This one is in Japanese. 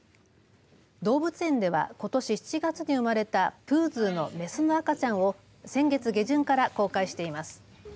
動物園ではことし７月に生まれたプーズーの雌の赤ちゃんを先月下旬から公開しています。